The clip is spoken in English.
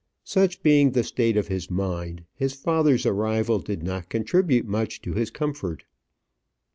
Such being the state of his mind, his father's arrival did not contribute much to his comfort.